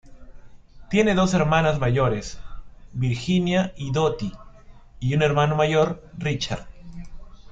Tiene dos hermanas mayores, Virginia y Dottie, y un hermano mayor, Richard.